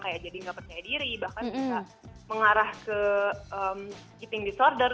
kayak jadi nggak percaya diri bahkan bisa mengarah ke meeting disorder